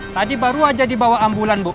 tadi baru saja dibawa ambulan bu